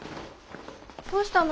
どうしたの？